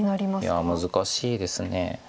いや難しいです。